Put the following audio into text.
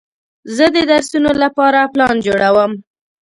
زه د درسونو لپاره پلان جوړوم.